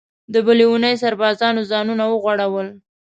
د بلې اوونۍ سربازانو ځانونه وغوړول.